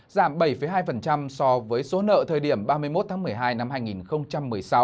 giảm bảy hai so với số nợ thời điểm ba mươi một tháng một mươi hai năm hai nghìn một mươi sáu